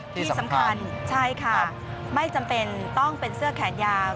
ที่สำคัญใช่ค่ะไม่จำเป็นต้องเป็นเสื้อแขนยาว